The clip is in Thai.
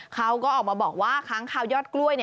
เขาก็ออกมาบอกว่าค้างคาวยอดกล้วย